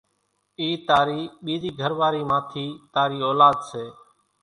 اِي تارِي ٻيزي گھرواري مان ٿي تاري اولاۮ سي